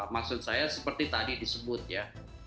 maksud saya seperti tadi disebut ya